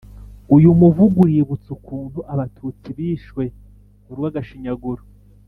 Uyu muvugo uributsa ukuntu abatutsi bishwe urwagashinyaguro